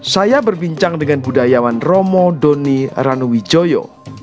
saya berbincang dengan budayawan romo doni ranuwijoyo